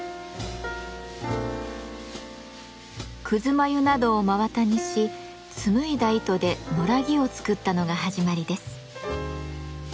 くず繭などを真綿にし紡いだ糸で野良着を作ったのが始まりです。